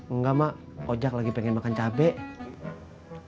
enggak mak ojek lagi pengen makan cabai